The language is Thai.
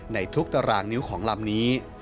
ในทุกตารางนิ้วของลำนี้